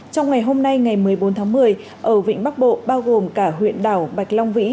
trong ngày hôm nay ngày một mươi bốn tháng một mươi ở vịnh bắc bộ bao gồm cả huyện đảo bạch long vĩ